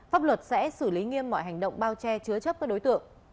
pháp luật sẽ xử lý nghiêm mọi hành động bao che chứa chấp các đối tượng